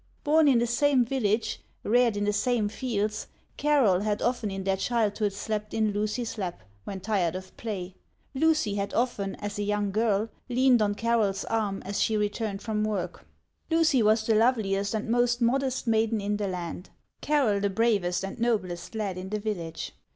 Born in the same village, reared in the same fields, Carroll had often in their childhood slept in Lucy's lap when tired of play ; Lucy had often, as a young girl, leaned on Carroll's arm as she returned from work. Lucy was the loveliest and most modest maiden in the land ; Carroll the bravest and noblest lad in the village.